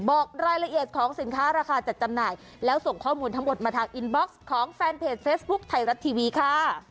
บอกรายละเอียดของสินค้าราคาจัดจำหน่ายแล้วส่งข้อมูลทั้งหมดมาทางอินบ็อกซ์ของแฟนเพจเฟซบุ๊คไทยรัฐทีวีค่ะ